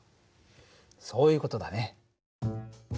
そういう事だね。